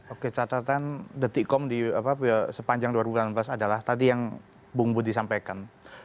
oke catatan detikkom di sepanjang dua ribu sembilan belas adalah tadi yang bung budi sampaikan